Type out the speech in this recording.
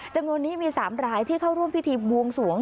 จำนวนนี้มี๓รายที่เข้าร่วมพิธีบวงสวง